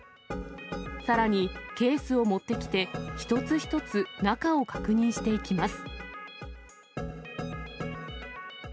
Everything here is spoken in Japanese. さらにケースを持ってきて一つ一つ中を確認していきます。